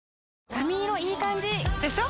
髪色いい感じ！でしょ？